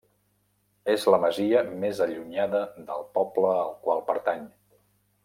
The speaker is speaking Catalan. És la masia més allunyada del poble al qual pertany.